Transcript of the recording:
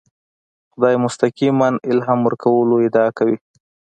خدای مستقیماً الهام ورکولو ادعا کوي.